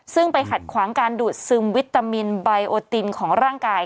ซึ่งไปขัดขวางการดูดซึมวิตามินไบโอตินของร่างกาย